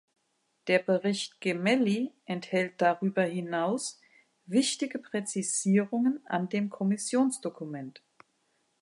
Der Bericht Gemelli enthält darüber hinaus wichtige Präzisierungen an dem Kommissionsdokument.